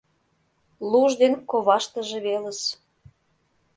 Луж ден коваштыже велыс!